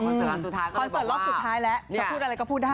คอนเซอร์ลอสสุดท้ายแล้วจะพูดอะไรก็พูดได้